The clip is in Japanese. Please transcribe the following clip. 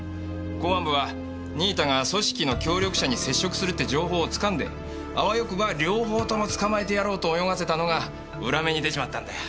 公安部は新井田が組織の協力者に接触するって情報を掴んであわよくば両方とも捕まえてやろうと泳がせたのが裏目に出ちまったんだよ。